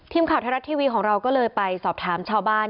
ทีมข่าวไทยรัฐทีวีของเราก็เลยไปสอบถามชาวบ้าน